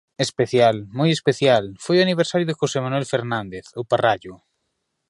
Especial, moi especial, foi o aniversario de José Manuel Fernández, o Parrallo.